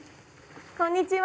こんにちは。